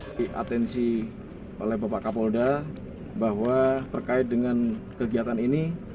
di atensi oleh bapak kapolda bahwa terkait dengan kegiatan ini